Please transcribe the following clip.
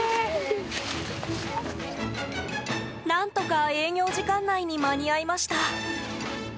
何とか営業時間内に間に合いました。